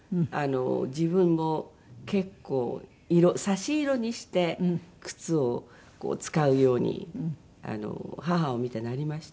自分も結構差し色にして靴を使うように母を見てなりました。